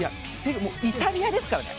イタリアですからね。